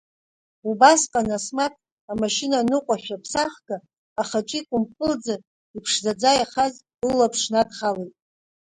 Убасҟан Асмаҭ амашьына аныҟәашәа ԥсахга ахаҿы икәымпылӡа, иԥшӡаӡа иахаз лылаԥш надхалеит.